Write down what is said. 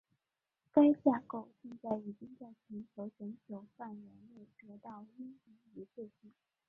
该架构现在已经在全球全球范围内得到应用一致性。